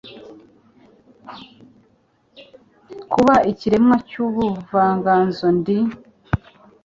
Kuba ikiremwa cyubuvanganzo Ndi,